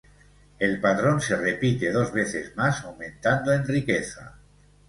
El patrón se repite dos veces más, aumentando en riqueza.